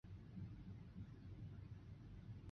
现今以杯渡命名的地有杯渡路和杯渡轻铁站。